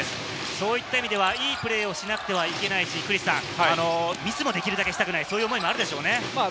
そういった意味ではいいプレーをしなくてはいけないし、ミスもできるだけしたくない、そういう思いもあるでしょうね。